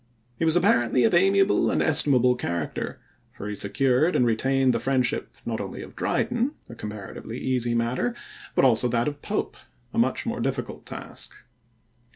He was apparently of amiable and estimable character, for he secured and retained the friendship not only of Dryden a comparatively easy matter but also that of Pope, a much more difficult task.